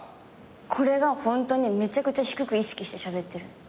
これがホントにめちゃくちゃ低く意識してしゃべってる。